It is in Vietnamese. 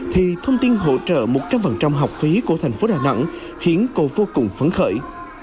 thì thông tin hỗ trợ một trăm linh học phí của thành phố đà nẵng khiến cô vô cùng phấn khởi